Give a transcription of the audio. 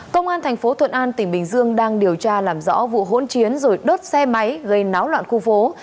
công an thành phố thuận an tỉnh bình dương đang điều tra làm rõ vụ hỗn chiến rồi đốt xe máy gây náo loạn khu phố